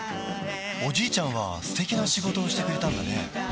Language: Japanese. おじいちゃんは素敵な仕事をしてくれたんだね